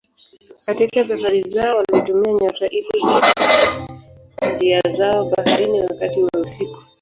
Katika safari zao walitumia nyota ili kufuata njia zao baharini wakati wa usiku.